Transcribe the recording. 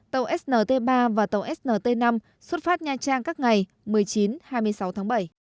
tàu snt ba và tàu snt năm xuất phát nha trang các ngày một mươi chín hai mươi sáu tháng bảy